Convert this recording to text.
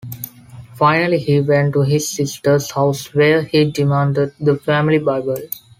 Finally, he went to his sister's house, where he demanded the family Bible.